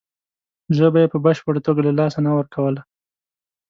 ژبه یې په بشپړه توګه له لاسه نه ورکوله.